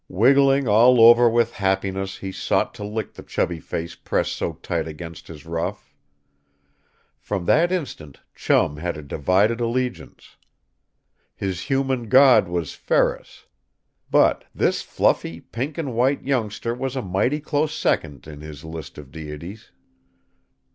Wiggling all over with happiness he sought to lick the chubby face pressed so tight against his ruff. From that instant Chum had a divided allegiance. His human god was Ferris. But this fluffy pink and white youngster was a mighty close second in his list of deities.